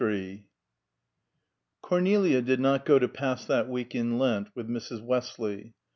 XXXIII. Cornelia did not go to pass that week in Lent with Mrs. Westley.